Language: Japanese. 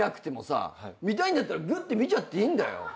見たいんだったらぐって見ちゃっていいんだよ。